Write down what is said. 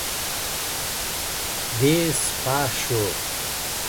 despacho